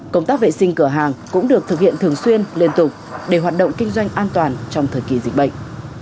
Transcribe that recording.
công tác vệ sinh cửa hàng cũng được thực hiện thường xuyên liên tục để hoạt động kinh doanh an toàn trong thời kỳ dịch bệnh